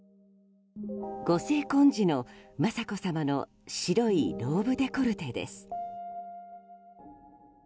ご成婚時の雅子さまの白いローブデコルテです。